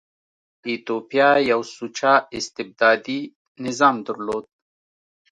ایتوپیا یو سوچه استبدادي نظام درلود.